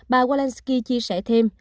bà walensky chia sẻ thêm